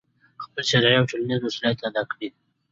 خپل شرعي او ټولنیز مسؤلیت ادا کړي،